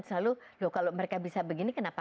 selalu loh kalau mereka bisa begini kenapa